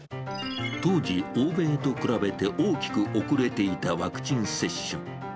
当時、欧米と比べて大きく遅れていたワクチン接種。